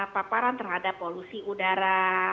paparan terhadap polusi udara